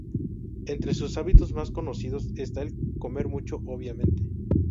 Entre sus hábitos más conocidos está el comer mucho, obviamente.